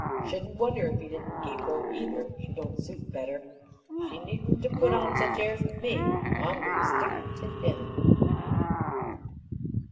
Shouldn't wonder if he didn't keep her, either, if she don't suit better. She needn't 'a' put on such airs with me, for I'm goin' to stick to him."